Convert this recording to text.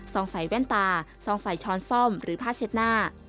ใส่แว่นตาซองใส่ช้อนซ่อมหรือผ้าเช็ดหน้า